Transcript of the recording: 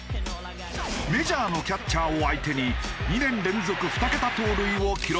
メジャーのキャッチャーを相手に２年連続２桁盗塁を記録。